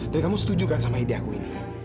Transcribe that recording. dan kamu setujukan sama ide aku ini